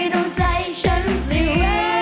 ต้องใจฉันหลีก